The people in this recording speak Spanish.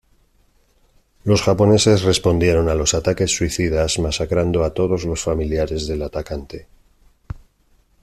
Los japoneses respondieron a los ataques suicidas masacrando todos los familiares del atacante.